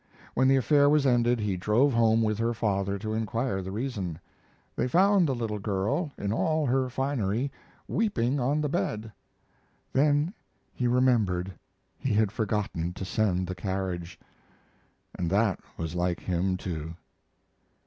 When the affair was ended, he drove home with her father to inquire the reason. They found the little girl, in all her finery, weeping on the bed. Then he remembered he had forgotten to send the carriage; and that was like him, too.